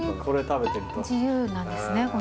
これ食べてると自由なんですね